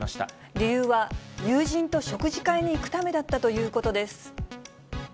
理由は、友人と食事会に行くためだったということです。